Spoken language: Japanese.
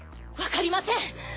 わかりません。